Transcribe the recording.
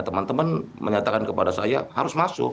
teman teman menyatakan kepada saya harus masuk